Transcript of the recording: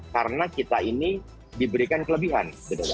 karena kita ini diberikan kelebihan